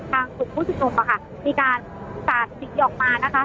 ทางคุณผู้สุดโมงนะคะมีการสาดสีออกมานะคะ